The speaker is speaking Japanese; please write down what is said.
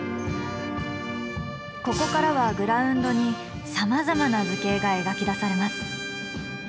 ここからはグラウンドにさまざまな図形が描き出されます。